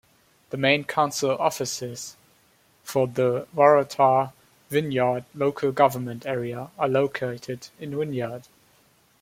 The main council offices for the Waratah-Wynyard local government area are located in Wynyard.